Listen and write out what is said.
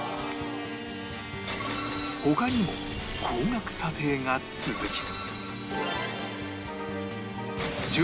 他にも高額査定が続き